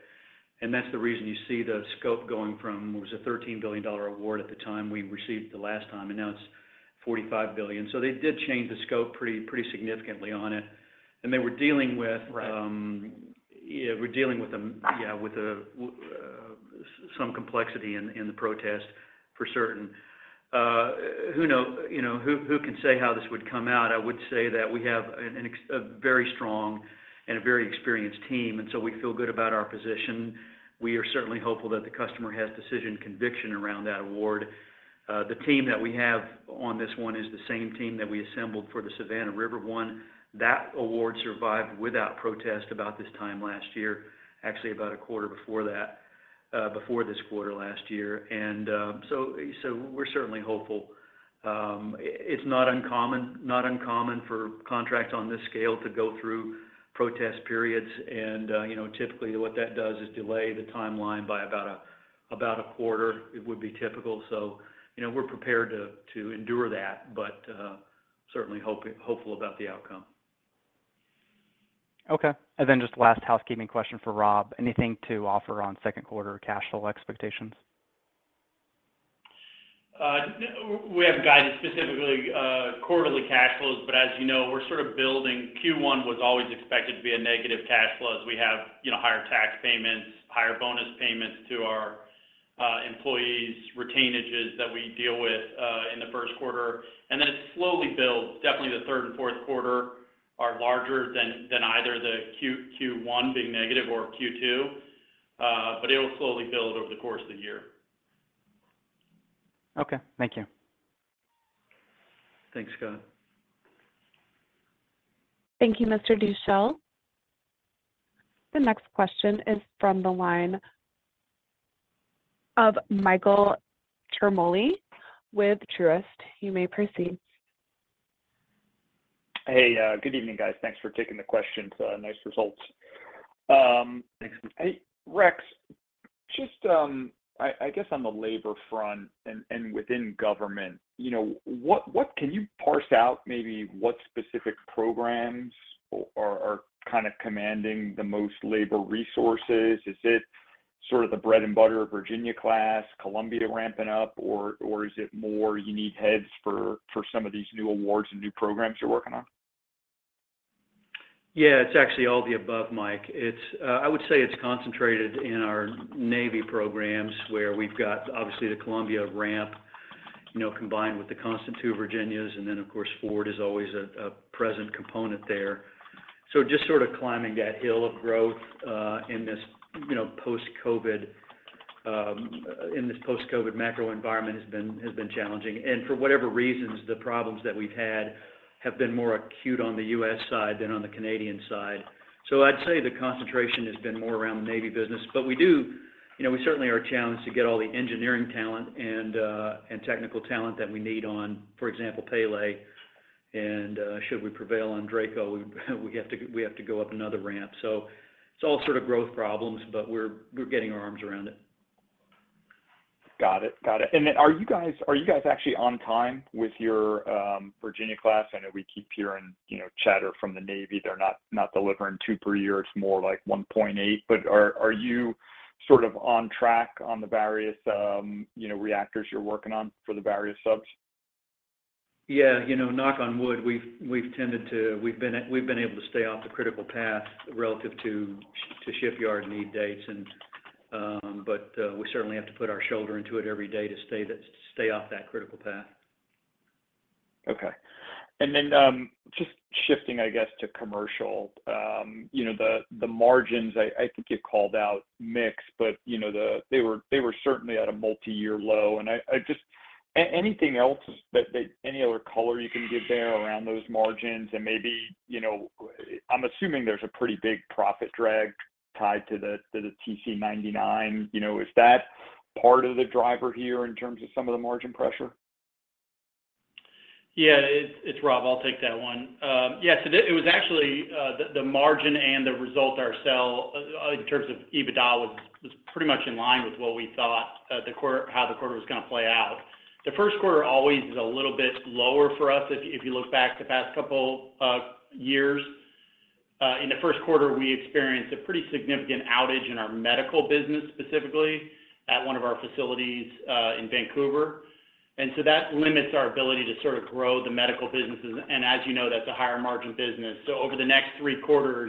That's the reason you see the scope going from, it was a $13 billion award at the time we received it the last time, and now it's $45 billion. They did change the scope pretty significantly on it. Right yeah, were dealing with some complexity in the protest for certain. Who knows, you know, who can say how this would come out? I would say that we have a very strong and a very experienced team, and so we feel good about our position. We are certainly hopeful that the customer has decision conviction around that award. The team that we have on this one is the same team that we assembled for the Savannah River one. That award survived without protest about this time last year. Actually, about a quarter before that, before this quarter last year. We're certainly hopeful. It's not uncommon for contracts on this scale to go through protest periods and, you know, typically what that does is delay the timeline by about a quarter. It would be typical. You know, we're prepared to endure that, but certainly hopeful about the outcome. Okay. Then just last housekeeping question for Rob. Anything to offer on Q2 cash flow expectations? No, we haven't guided specifically, quarterly cash flows, as you know, we're sort of building. Q1 was always expected to be a negative cash flow as we have, you know, higher tax payments, higher bonus payments to our employees, retainages that we deal with in the Q1. It slowly builds. Definitely the third and Q4 are larger than either the Q1 being negative or Q2. It'll slowly build over the course of the year. Okay. Thank you. Thanks, Scott. Thank you, Mr. Deuschle. The next question is from the line of Michael Ciaramoli with Truist. You may proceed. Hey, good evening, guys. Thanks for taking the questions. Nice results. Thanks. Hey, Rex, just, I guess on the labor front and within government, you know, what can you parse out maybe what specific programs are kind of commanding the most labor resources? Is it sort of the bread and butter of Virginia-class, Columbia ramping up, or is it more you need heads for some of these new awards and new programs you're working on? Yeah, it's actually all the above, Mike. It's I would say it's concentrated in our Navy programs, where we've got obviously the Columbia ramp, you know, combined with the constant 2 Virginia-class, and then of course Ford is always a present component there. Just sort of climbing that hill of growth, in this, you know, post-COVID, in this post-COVID macro environment has been challenging. For whatever reasons, the problems that we've had have been more acute on the U.S. side than on the Canadian side. I'd say the concentration has been more around the Navy business. We do, you know, we certainly are challenged to get all the engineering talent and technical talent that we need on, for example, Project Pele. Should we prevail on DRACO, we have to go up another ramp. it's all sort of growth problems, but we're getting our arms around it. Got it. Got it. Are you guys actually on time with your Virginia-class? I know we keep hearing, you know, chatter from the Navy. They're not delivering 2 per year. It's more like 1.8. Are you sort of on track on the various, you know, reactors you're working on for the various subs? Yeah. You know, knock on wood, we've been able to stay off the critical path relative to shipyard need dates. We certainly have to put our shoulder into it every day to stay off that critical path. Okay. Just shifting, I guess, to commercial. You know, the margins, I think you called out mix, but, you know, they were certainly at a multi-year low. I just anything else that any other color you can give there around those margins? Maybe, you know, I'm assuming there's a pretty big profit drag tied to the Tc-99m. You know, is that part of the driver here in terms of some of the margin pressure? It's Robb, I'll take that one. Yes, it was actually, the margin and the result ourselves, in terms of EBITDA was pretty much in line with what we thought how the quarter was gonna play out. The Q1 always is a little bit lower for us if you look back the past couple years. In the Q1, we experienced a pretty significant outage in our medical business, specifically at one of our facilities, in Vancouver. That limits our ability to sort of grow the medical businesses. As you know, that's a higher margin business. Over the next Q3,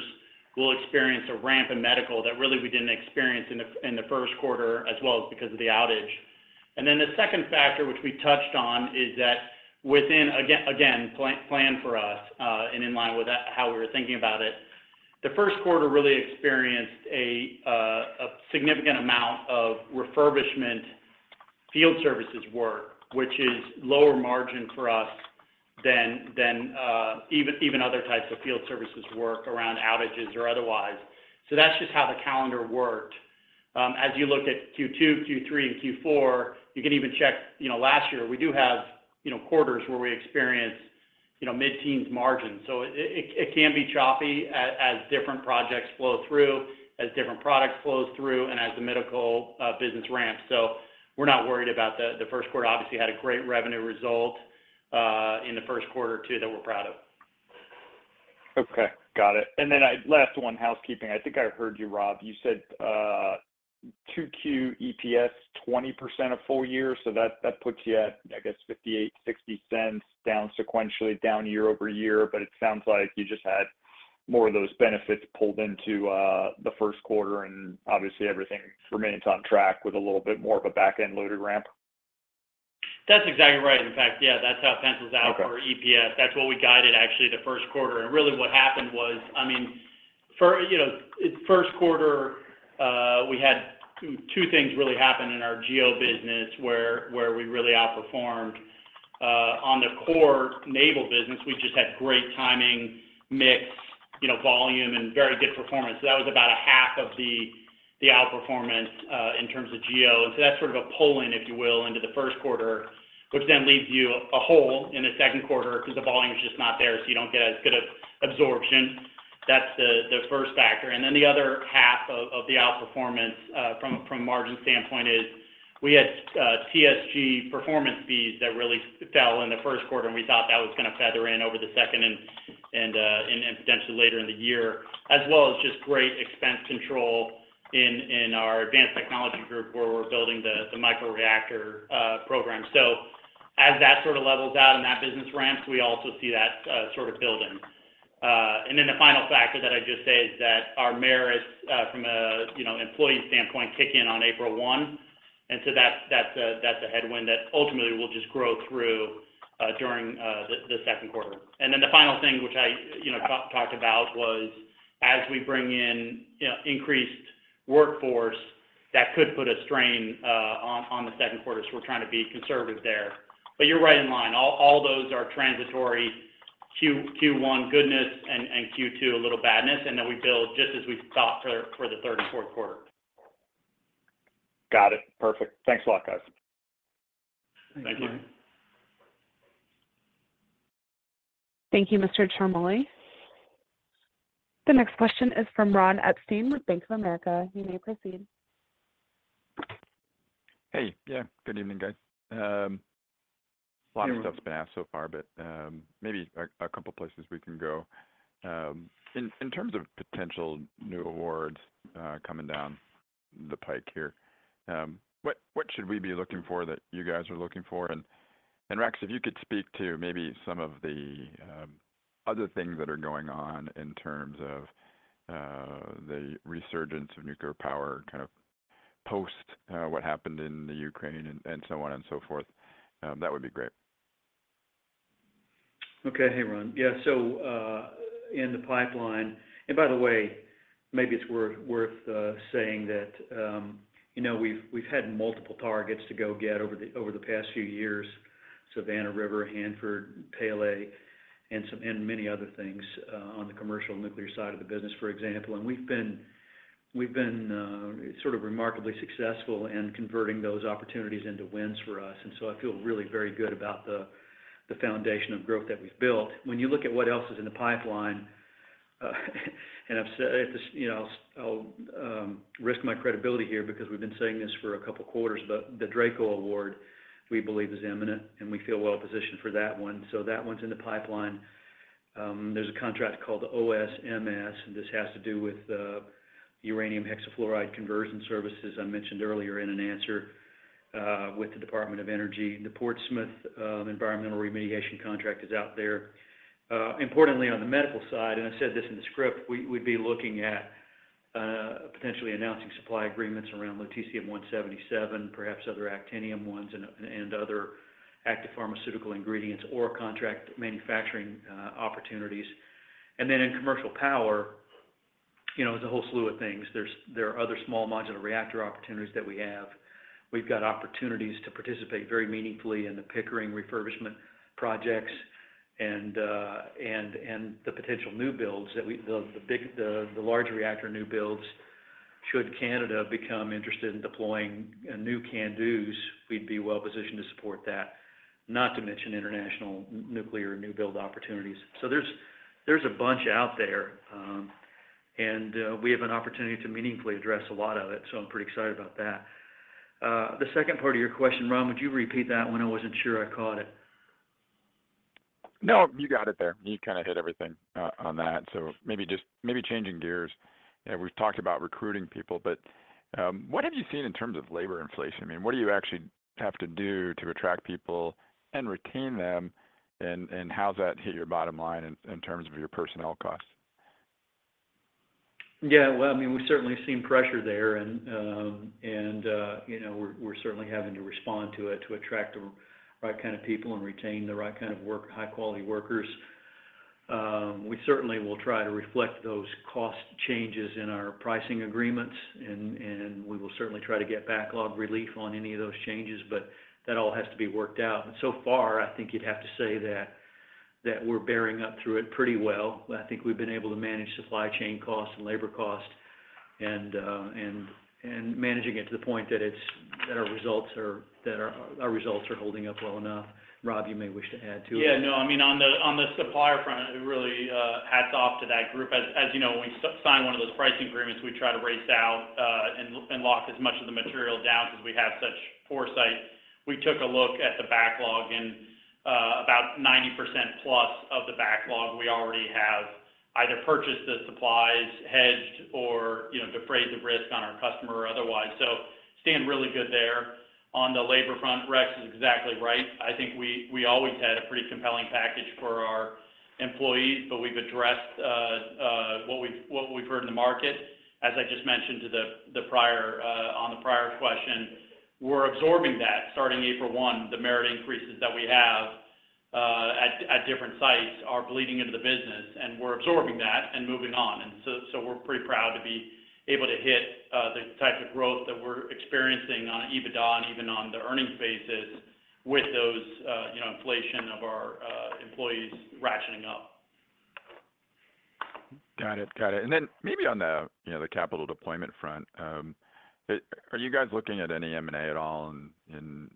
we'll experience a ramp in medical that really we didn't experience in the Q1 as well, because of the outage. The second factor, which we touched on, is that within plan for us, and in line with how we were thinking about it, the Q1 really experienced a significant amount of refurbishment field services work, which is lower margin for us than even other types of field services work around outages or otherwise. That's just how the calendar worked. As you look at Q2, Q3, and Q4, you can even check, you know, last year, we do have, you know, quarters where we experience, you know, mid-teens margins. It can be choppy as different projects flow through, as different products flow through, and as the medical business ramps. We're not worried about the Q1. Obviously had a great revenue result, in the Q1 too, that we're proud of. Okay. Got it. Last one, housekeeping. I think I heard you, Rob, you said, 2Q EPS, 20% of full year. That puts you at, I guess, $0.58-$0.60 down sequentially, down year-over-year. It sounds like you just had more of those benefits pulled into the Q1, and obviously everything remains on track with a little bit more of a back-end loaded ramp. That's exactly right. In fact, yeah, that's how it pencils out. Okay for EPS. That's what we guided actually the Q1. Really what happened was, I mean, you know, Q1, we had two things really happen in our geo business where we really outperformed. On the core naval business, we just had great timing, mix, you know, volume, and very good performance. That was about a half of the outperformance, in terms of geo. That's sort of a pull-in, if you will, which then leaves you a hole in the Q2 because the volume is just not there, so you don't get as good of absorption. That's the first factor. Then the other half of the outperformance from a from a margin standpoint is we had TSG performance fees that really fell in the Q1, and we thought that was gonna feather in over the second and potentially later in the year. As well as just great expense control in in our advanced technology group where we're building the microreactor program. As that sort of levels out and that business ramps, we also see that sort of building. Then the final factor that I'd just say is that our merits from a, you know, employee standpoint kick in on April 1. So that's that's a that's a headwind that ultimately will just grow through during th Q2. The final thing, which I, you know, talked about was as we bring in, you know, increased workforce, that could put a strain on. We're trying to be conservative there. You're right in line. All those are transitory Q1 goodness and Q2 a little badness. We build just as we thought for the Q3 and Q4. Got it. Perfect. Thanks a lot, guys. Thank you. Thank you. Thank you, Mr. Ciarmoli. The next question is from Ron Epstein with Bank of America. You may proceed. Hey. Yeah, good evening, guys. A lot of stuff's been asked so far, maybe a couple places we can go. In terms of potential new awards coming down the pike here, what should we be looking for that you guys are looking for? Rex, if you could speak to maybe some of the other things that are going on in terms of the resurgence of nuclear power, kind of post what happened in the Ukraine and so on and so forth, that would be great. Okay. Hey, Ron. Yeah. By the way, maybe it's worth saying that, you know, we've had multiple targets to go get over the past few years, Savannah River, Hanford, Pantex, and many other things on the commercial nuclear side of the business, for example. We've been sort of remarkably successful in converting those opportunities into wins for us. I feel really very good about the foundation of growth that we've built. When you look at what else is in the pipeline, you know, I'll risk my credibility here because we've been saying this for a couple quarters, the DRACO award, we believe is imminent, and we feel well positioned for that one. That one's in the pipeline. There's a contract called OSMS, this has to do with uranium hexafluoride conversion services I mentioned earlier in an answer with the Department of Energy. The Portsmouth environmental remediation contract is out there. Importantly, on the medical side, and I said this in the script, we'd be looking at potentially announcing supply agreements around Lutetium-177, perhaps other actinium ones and other active pharmaceutical ingredients or contract manufacturing opportunities. In commercial power You know, there's a whole slew of things. There are other small modular reactor opportunities that we have. We've got opportunities to participate very meaningfully in the Pickering refurbishment projects and the potential new builds, the large reactor new builds should Canada become interested in deploying new CANDUs, we'd be well positioned to support that. Not to mention international nuclear new build opportunities. There's a bunch out there, and we have an opportunity to meaningfully address a lot of it, so I'm pretty excited about that. The second part of your question, Ron, would you repeat that one? I wasn't sure I caught it. You got it there. You kind of hit everything on that. Maybe changing gears. We've talked about recruiting people, but what have you seen in terms of labor inflation? I mean, what do you actually have to do to attract people and retain them, and how does that hit your bottom line in terms of your personnel costs? Yeah. Well, I mean, we've certainly seen pressure there and, you know, we're certainly having to respond to it to attract the right kind of people and retain the right kind of high-quality workers. We certainly will try to reflect those cost changes in our pricing agreements and we will certainly try to get backlog relief on any of those changes, but that all has to be worked out. So far, I think you'd have to say that we're bearing up through it pretty well. I think we've been able to manage supply chain costs and labor costs and managing it to the point that our results are holding up well enough. Rob, you may wish to add to it. No, I mean, on the supplier front, it really, hats off to that group. As you know, when we sign one of those pricing agreements, we try to race out, and lock as much of the material down because we have such foresight. We took a look at the backlog, and, about 90% plus of the backlog we already have either purchased the supplies, hedged or, you know, to fray the risk on our customer or otherwise. Staying really good there. On the labor front, Rex is exactly right. I think we always had a pretty compelling package for our employees, but we've addressed, what we've heard in the market. As I just mentioned to the prior, on the prior question, we're absorbing that. Starting April 1, the merit increases that we have at different sites are bleeding into the business, and we're absorbing that and moving on. We're pretty proud to be able to hit the type of growth that we're experiencing on EBITDA and even on the earnings basis with those, you know, inflation of our employees ratcheting up. Got it. Got it. Maybe on the, you know, the capital deployment front, are you guys looking at any M&A at all?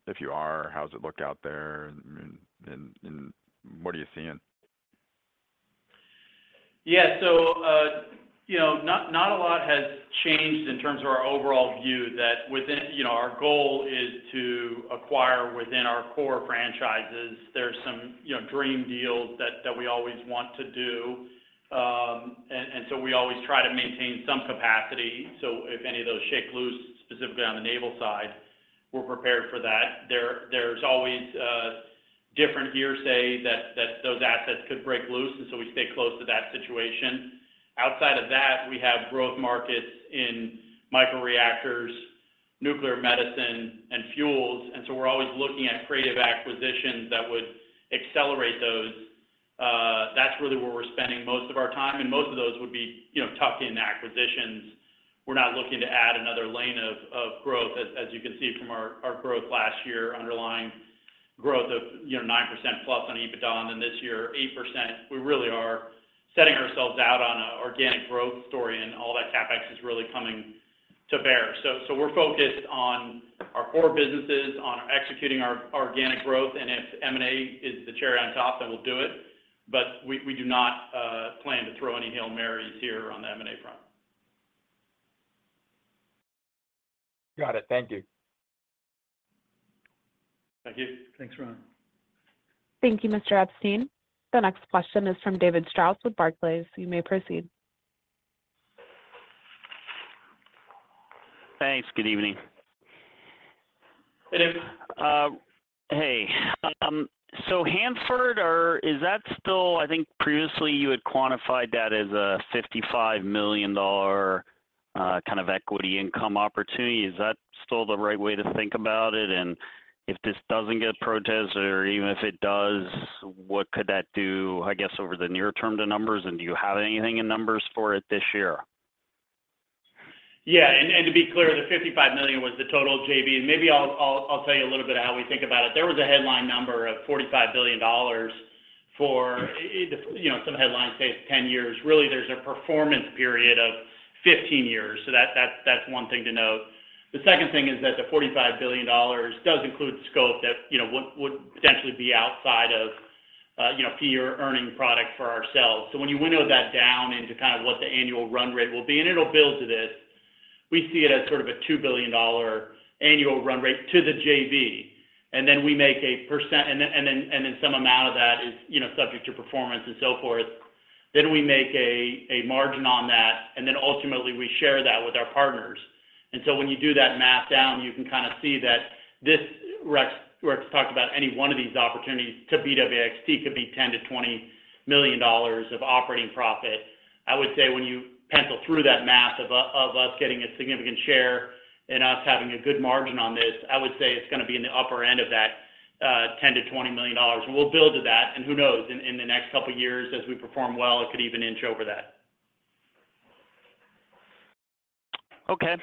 If you are, how does it look out there and what are you seeing? Yeah. You know, not a lot has changed in terms of our overall view that within... You know, our goal is to acquire within our core franchises. There's some, you know, dream deals that we always want to do. We always try to maintain some capacity. If any of those shake loose, specifically on the naval side, we're prepared for that. There's always different hearsay that those assets could break loose, we stay close to that situation. Outside of that, we have growth markets in microreactors, nuclear medicine, and fuels, we're always looking at creative acquisitions that would accelerate those. That's really where we're spending most of our time, and most of those would be, you know, tucked in acquisitions. We're not looking to add another lane of growth. As you can see from our growth last year, underlying growth of, you know, 9%+ on EBITDA, and then this year, 8%. We really are setting ourselves out on a organic growth story, and all that CapEx is really coming to bear. We're focused on our core businesses, on executing our organic growth. If M&A is the cherry on top, then we'll do it. We do not plan to throw any Hail Marys here on the M&A front. Got it. Thank you. Thank you. Thanks, Ron. Thank you, Mr. Epstein. The next question is from David Strauss with Barclays. You may proceed. Thanks. Good evening. Hey, Dave. Hey. Hanford, or is that still? I think previously you had quantified that as a $55 million kind of equity income opportunity. Is that still the right way to think about it? If this doesn't get protested or even if it does, what could that do, I guess, over the near term to numbers? Do you have anything in numbers for it this year? Yeah. To be clear, the $55 million was the total JV. Maybe I'll tell you a little bit how we think about it. There was a headline number of $45 billion for, you know, some headlines say 10 years. Really, there's a performance period of 15 years. That's one thing to note. The second thing is that the $45 billion does include scope that, you know, would potentially be outside of, you know, peer earning product for ourselves. When you window that down into kind of what the annual run rate will be, and it'll build to this, we see it as sort of a $2 billion annual run rate to the JV. We make some amount of that is, you know, subject to performance and so forth. We make a margin on that, and then ultimately we share that with our partners. When you do that math down, you can kind of see that this, Rex talked about any one of these opportunities to BWXT could be $10 million-$20 million of operating profit. I would say when you pencil through that math of us getting a significant share and us having a good margin on this, I would say it's gonna be in the upper end of that, $10 million-$20 million. We'll build to that, and who knows, in the next couple years as we perform well, it could even inch over that. Okay.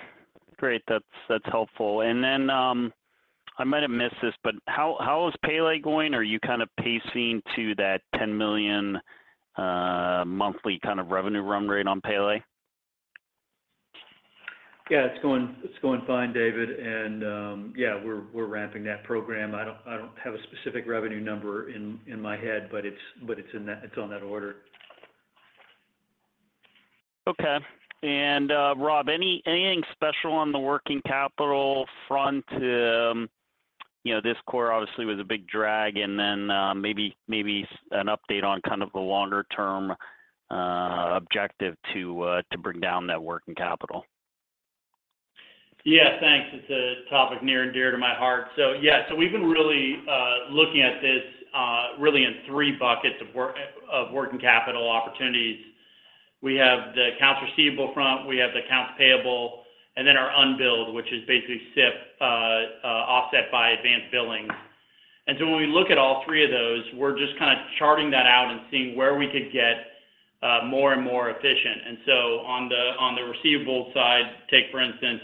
Great, that's helpful. I might have missed this, but how is Pele going? Are you kind of pacing to that $10 million monthly kind of revenue run rate on Pele? Yeah, it's going fine, David. Yeah, we're ramping that program. I don't have a specific revenue number in my head, but it's in that, it's on that order. Okay. Rob, anything special on the working capital front to, You know, this quarter obviously was a big drag, then, maybe an update on kind of the longer term objective to bring down that working capital. Yeah, thanks. It's a topic near and dear to my heart. Yeah. We've been really looking at this really in 3 buckets of working capital opportunities. We have the accounts receivable front, we have the accounts payable, and then our unbilled, which is basically SIP, offset by advanced billing. When we look at all three of those, we're just kind of charting that out and seeing where we could get more and more efficient. On the receivable side, take for instance,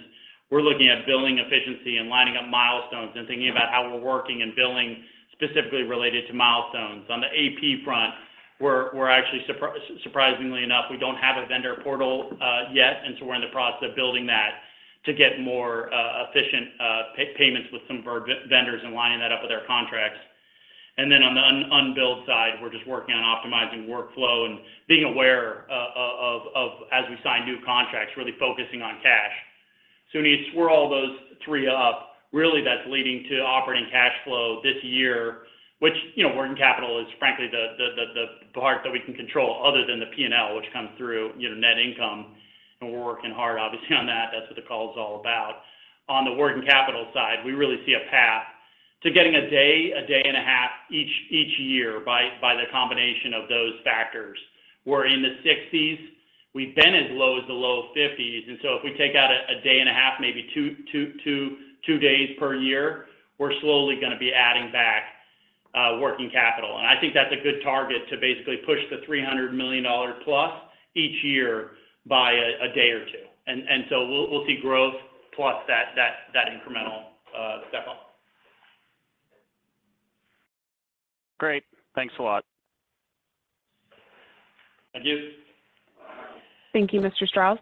we're looking at billing efficiency and lining up milestones and thinking about how we're working and billing specifically related to milestones. On the AP front, we're actually surprisingly enough, we don't have a vendor portal yet, we're in the process of building that to get more efficient payments with some of our vendors and lining that up with our contracts. On the unbilled side, we're just working on optimizing workflow and being aware of as we sign new contracts, really focusing on cash. When you swirl those three up, really that's leading to operating cash flow this year, which, you know, working capital is frankly the part that we can control other than the P&L, which comes through, you know, net income. We're working hard obviously on that. That's what the call's all about. On the working capital side, we really see a path to getting a day, a day and a half each year by the combination of those factors. We're in the 60s. We've been as low as the low 50s. If we take out a day and a half, maybe two days per year, we're slowly gonna be adding back working capital. I think that's a good target to basically push the $300 million+ each year by a day or two. We'll see growth plus that incremental step up. Great. Thanks a lot. Thank you. Thank you, Mr. Strauss.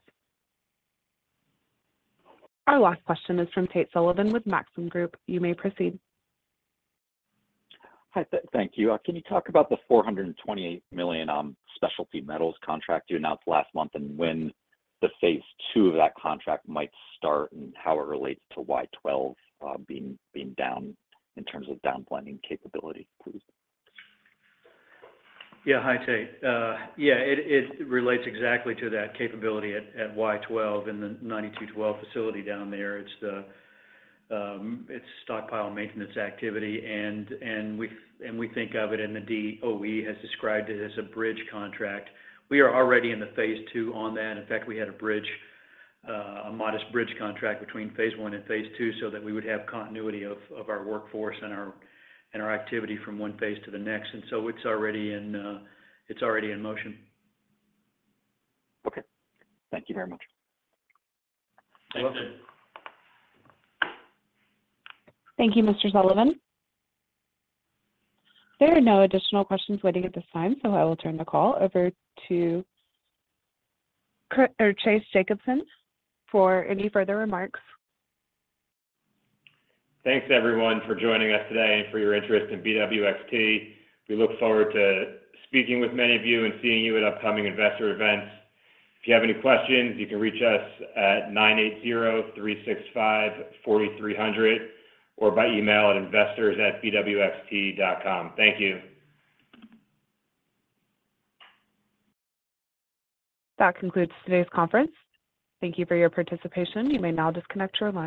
Our last question is from Tate Sullivan with Maxim Group. You may proceed. Hi, thank you. Can you talk about the $428 million specialty metals contract you announced last month, and when the Phase II of that contract might start and how it relates to Y-12, being down in terms of down blending capability, please? Hi, Tate. It relates exactly to that capability at Y-12 and the 9212 facility down there. It's stockpile maintenance activity, and we think of it, and the DOE has described it as a bridge contract. We are already in the phase two on that. In fact, we had a bridge, a modest bridge contract between phase one and phase two so that we would have continuity of our workforce and our activity from one phase to the next. It's already in, it's already in motion. Okay. Thank you very much. You're welcome. Thanks. Thank you, Mr. Sullivan. There are no additional questions waiting at this time. I will turn the call over to Chase Jacobson for any further remarks. Thanks everyone for joining us today and for your interest in BWXT. We look forward to speaking with many of you and seeing you at upcoming investor events. If you have any questions, you can reach us at 980-365-4300 or by email at investors@bwxt.com. Thank you. That concludes today's conference. Thank you for your participation. You may now disconnect your line.